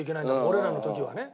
俺らの時はね。